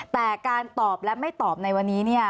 แต่การตอบและไม่ตอบในวันนี้